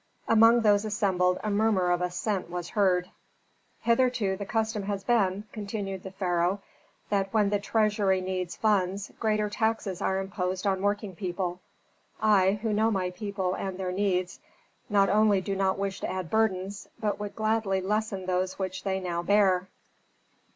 Among those assembled a murmur of assent was heard. "Hitherto the custom has been," continued the pharaoh, "that when the treasury needs funds, greater taxes are imposed on working people. I, who know my people and their needs, not only do not wish to add burdens, but would gladly lessen those which they now bear."